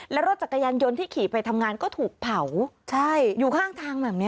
และรถจักรยานยนต์ที่ขี่ไปทำงานก็ถูกเผาใช่อยู่ข้างทางแบบนี้